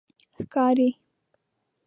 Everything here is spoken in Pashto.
ښکاری